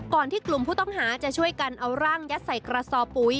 ที่กลุ่มผู้ต้องหาจะช่วยกันเอาร่างยัดใส่กระสอบปุ๋ย